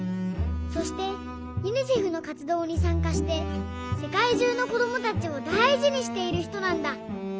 そしてユニセフのかつどうにさんかしてせかいじゅうのこどもたちをだいじにしているひとなんだ。